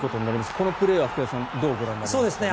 このプレーは福田さんどうご覧になりますか。